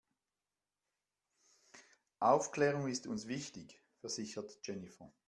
Aufklärung ist uns wichtig, versichert Jennifer.